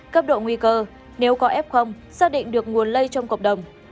cấp độ nguy cơ nếu có ép không xác định được nguồn lây trong cộng đồng